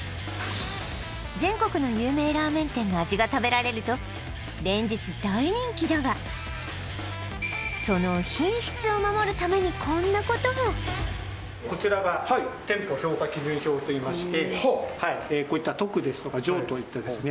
全国の有名ラーメン店の味が食べられると連日大人気だがその品質を守るためにこんなこともといいましてこういった「特」ですとか「上」といったですね